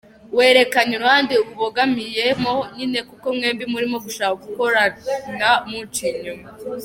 Werekanye uruhande ubogamiyemo nyine kuko mwembi murimo gushaka gukorana munciye inyuma.